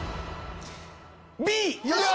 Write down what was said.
Ｂ！